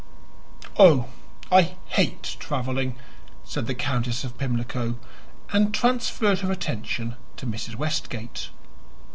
"Oh, I hate traveling," said the Countess of Pimlico and transferred her attention to Mrs. Westgate.